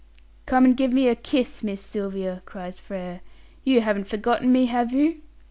"Come and give me a kiss, Miss Sylvia!" cries Frere. "You haven't forgotten me, have you?"